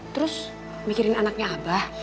terus mikirin anaknya abah